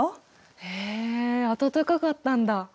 へえ暖かかったんだ。